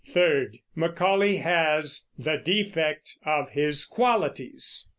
Third, Macaulay has "the defect of his qualities."